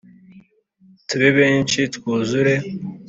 tube benshi twuzure